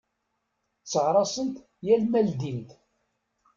Tteɣraṣent yal ma ldint.